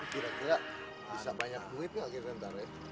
kira kira bisa banyak buit gak gini nanti